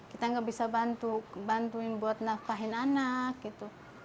kita nggak bisa bantu bantuin buat nafkahin anak gitu